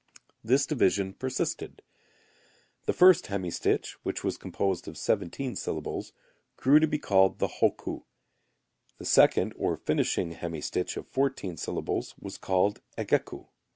This division persisted. The first hemistich which was composed of 17 syllables grew to be called the hokku, the second or finishing hemistich of 14 syllables was called ageku.